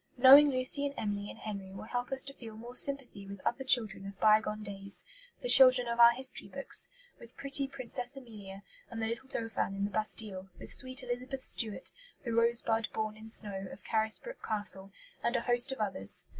Knowing Lucy and Emily and Henry will help us to feel more sympathy with other children of bygone days, the children of our history books with pretty Princess Amelia, and the little Dauphin in the Bastille, with sweet Elizabeth Stuart, the "rose bud born in snow" of Carisbrook Castle, and a host of others.